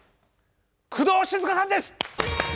工藤静香さんです。